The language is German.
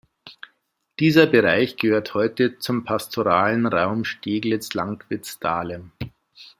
Dieser Bereich gehört heute zum Pastoralen Raum Steglitz-Lankwitz-Dahlem.